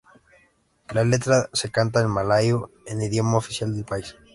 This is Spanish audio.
La letra se canta en malayo, el idioma oficial del país.